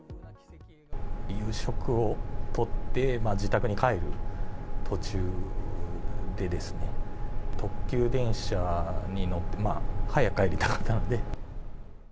夕食をとって、自宅に帰る途中でですね、特急電車に、早く帰りたかったので。